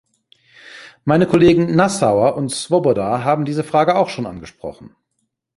Meine Kollegen Nassauer und Swoboda haben diese Frage auch schon angesprochen.